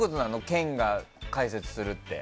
県が開設するって。